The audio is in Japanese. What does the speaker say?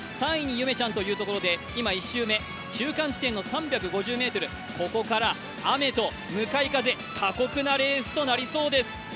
３位にゆめちゃんというところで１周目、中間地点の３５０ｍ、ここから雨と向かい風、過酷なレースとなりそうです。